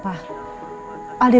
aku akan gunakan waktu ini